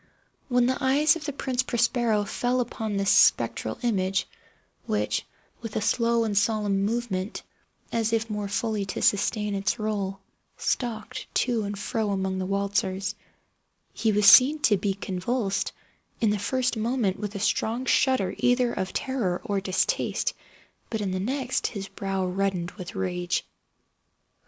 When the eyes of the Prince Prospero fell upon this spectral image (which, with a slow and solemn movement, as if more fully to sustain its role, stalked to and fro among the waltzers) he was seen to be convulsed, in the first moment with a strong shudder either of terror or distaste; but, in the next, his brow reddened with rage.